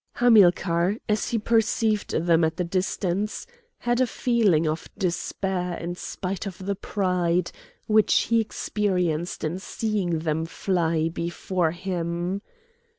Hamilcar, as he perceived them at a distance, had a feeling of despair in spite of the pride which he experienced in seeing them fly before him.